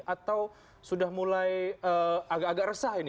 atau sudah mulai agak agak resah ini